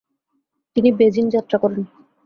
তিনি বেজিং যাত্রা করেন।